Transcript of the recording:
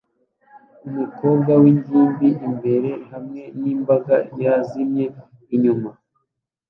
Umukobwa w'ingimbi imbere hamwe n'imbaga yazimye inyuma